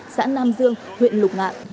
xã nam dương huyện lục ngạn